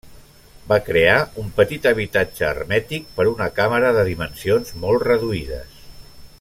Va crear un petit habitatge hermètic per una càmera de dimensions molt reduïdes.